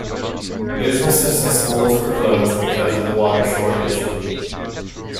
Businesses and schools were closed because of the water shortage.